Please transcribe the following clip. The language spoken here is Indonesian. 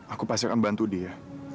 aku pasti akan bantu dia